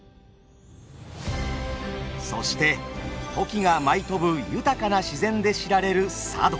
そしてトキが舞い飛ぶ豊かな自然で知られる佐渡。